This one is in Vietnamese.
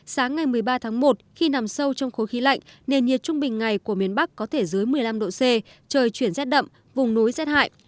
sáng ngày một mươi ba tháng một khi nằm sâu trong khối khí lạnh nền nhiệt trung bình ngày của miền bắc có thể dưới một mươi năm độ c trời chuyển rét đậm vùng núi rét hại